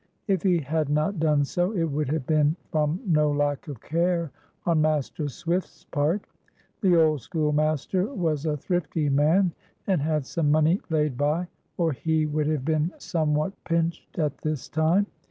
If he had not done so, it would have been from no lack of care on Master Swift's part. The old schoolmaster was a thrifty man, and had some money laid by, or he would have been somewhat pinched at this time.